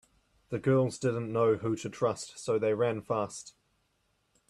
The girls didn’t know who to trust so they ran fast.